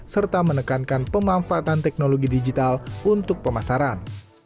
serta menekankan pemanfaatan teknologi digital untuk pemasaran